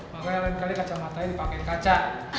makanya lain kali kacamatanya dipakein kaca